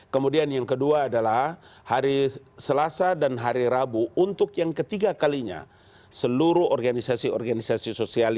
kemudian yang kedua adalah hari selasa dan hari rabu untuk yang ketiga kalinya seluruh organisasi organisasi sosial